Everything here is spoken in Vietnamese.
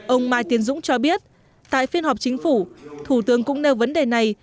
ông mai tiến dũng cho biết tại phiên họp chính phủ thủ tướng cũng nêu vấn đề này